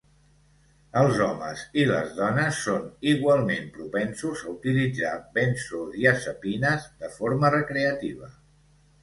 Els homes i les dones són igualment propensos a utilitzar benzodiazepines de forma recreativa.